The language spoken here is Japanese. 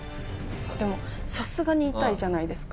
でもさすがに痛いじゃないですか。